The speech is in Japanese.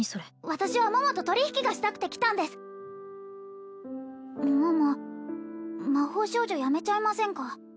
私は桃と取引がしたくて来たんです桃魔法少女やめちゃいませんか？